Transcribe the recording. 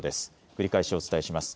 繰り返しお伝えします。